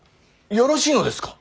よろしいのですか。